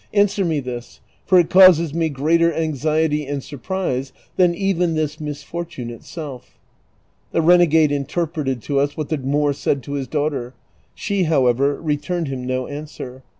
Answer me this; for it causes me greater anxiety and surprise than even this misfortune itself." The renegade interpreted to us what the Moor said to liis daughter ; she, however, returned him no answer.